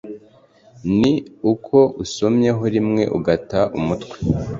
ni uko usomyeho rimwe ugata umutwe